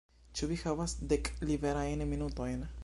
Ĉu vi havas dek liberajn minutojn?